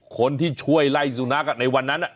คนที่ช่วยไล่สุนัขในวันนั้น